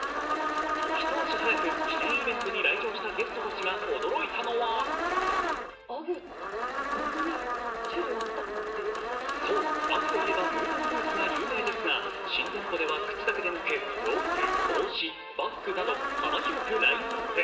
一足早く記念イベントに来場したゲストたちが驚いたのはそう、ＵＧＧといえばムートンブーツが有名ですが新店舗では靴だけでなく洋服、帽子、バッグなど幅広くラインナップ。